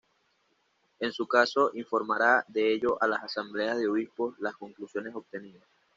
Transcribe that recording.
En su caso, informará de ello a las asambleas de obispos las conclusiones obtenidas.